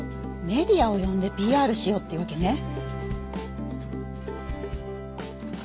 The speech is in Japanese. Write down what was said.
メディアをよんでＰＲしようっていうわけね。